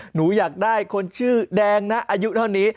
หนูอยากได้คนชื่อแดงนะอายุเท่านี้